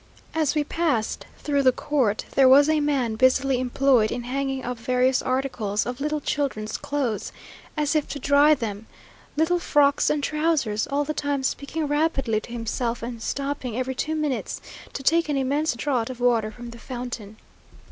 As we passed through the court, there was a man busily employed in hanging up various articles of little children's clothes, as if to dry them little frocks and trousers; all the time speaking rapidly to himself, and stopping every two minutes to take an immense draught of water from the fountain.